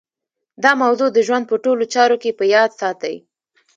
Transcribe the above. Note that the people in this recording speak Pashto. دا موضوع د ژوند په ټولو چارو کې په ياد ساتئ.